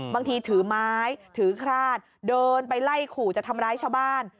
บางทีถือไม้ถือฆาตเดินไปไล่กวกรุ่าจะทำร้ายชาวบ้าน